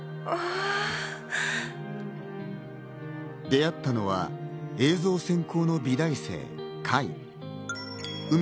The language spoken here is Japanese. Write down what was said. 出会ったのは映像専攻の美大生・海。